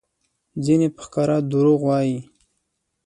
ځینې په ښکاره دروغ وایي؛